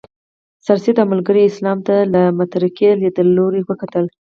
سرسید او ملګرو یې اسلام ته له مترقي لیدلوري وکتل.